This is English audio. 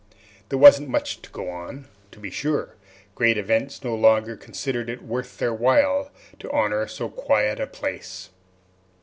There wasn't much to go on, to be sure. Great events no longer considered it worth their while to honor so quiet a place.